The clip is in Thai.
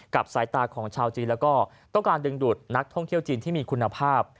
สายตาของชาวจีนแล้วก็ต้องการดึงดูดนักท่องเที่ยวจีนที่มีคุณภาพ